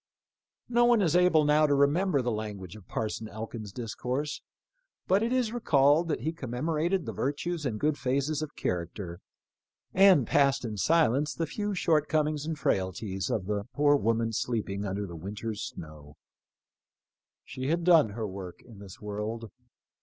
No one is able now to Temember the language of Parson Elkin's discourse, but it is recalled that he commemorated the virtues and good phases of character, and passed in silence the few short comings and frailties of the poor woman sleeping under the winter's snow. She had done her work in this world.